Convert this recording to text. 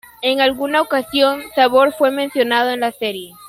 En alguna ocasión, Sabor fue mencionado en la serie.